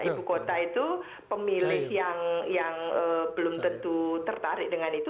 ibu kota itu pemilih yang belum tentu tertarik dengan itu